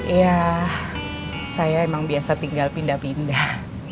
ya saya emang biasa tinggal pindah pindah